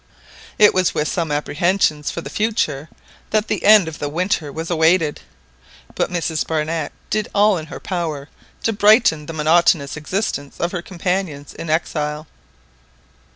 It was with some apprehensions for the future that the end of the winter was awaited, but Mrs Barnett did all in her power to brighten the monotonous existence of her companions in exile.